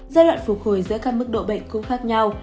giai đoạn phục hồi giữa các mức độ bệnh cũng khác nhau